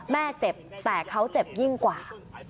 แม่เจ็บแต่เขาเจ็บยิ่งกว่า